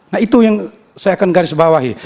nah itu yang saya akan garis bawahi